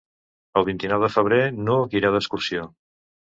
El vint-i-nou de febrer n'Hug irà d'excursió.